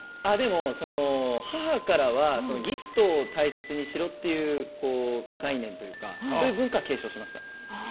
母からは、ギフトを大切にしろっていう概念というかそういう文化は継承しました。